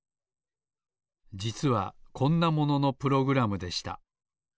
じつはこんなもののプログラムでした。